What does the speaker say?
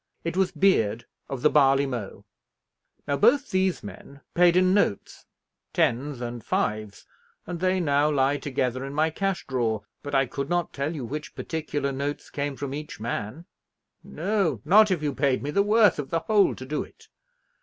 It was Beard, of the Barley Mow. Now, both these men paid in notes, tens and fives, and they now lie together in my cash drawer; but I could not tell you which particular notes came from each man no, not if you paid me the worth of the whole to do it.